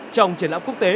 trong triển lãm quốc tế